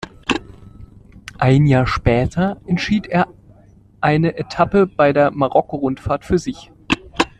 Ein Jahr später entschied er eine Etappe bei der Marokko-Rundfahrt für sich.